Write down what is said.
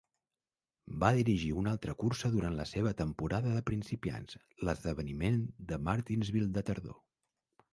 Va dirigir una altra cursa durant la seva temporada de principiants, l'esdeveniment de Martinsville de tardor.